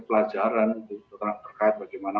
pelajaran terkait bagaimana